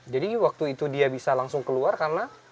jadi waktu itu dia bisa langsung keluar karena